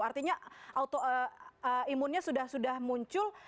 artinya autoimunnya sudah sudah muncul